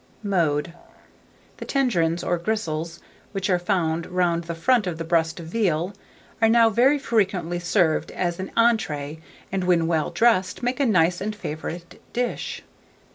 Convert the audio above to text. Mode. The tendrons or gristles, which are found round the front of a breast of veal, are now very frequently served as an entrée, and when well dressed, make a nice and favourite dish.